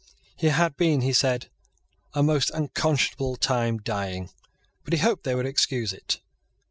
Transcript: He had been, he said, a most unconscionable time dying; but he hoped that they would excuse it.